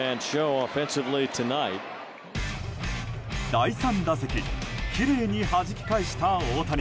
第３打席きれいにはじき返した大谷。